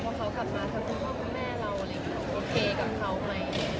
พอเขากลับมาทางคุณพ่อคุณแม่เราอะไรอย่างนี้หนูโอเคกับเขาไหม